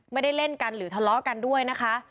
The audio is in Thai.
เล่นกันหรือทะเลาะกันด้วยนะคะ